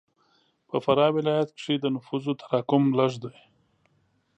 په فراه ولایت کښې د نفوس تراکم لږ دی.